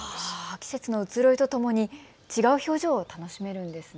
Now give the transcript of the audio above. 季節の移ろいとともに違う表情を楽しめるんですね。